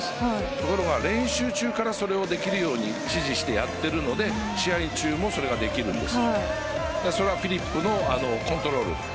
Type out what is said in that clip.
ところが練習中からそれができるように指示してやってるので試合中もそれができるんです。